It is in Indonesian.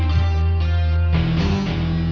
saya yang menang